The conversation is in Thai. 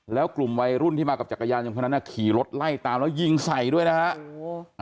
แล้วกลุ่มวัยรุ่นที่มากับจักรยานยนคนนั้นขี่รถไล่ตามแล้วยิงใส่ด้วยนะฮะ